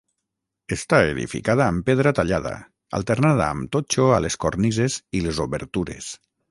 Està edificada amb pedra tallada, alternada amb totxo a les cornises i les obertures.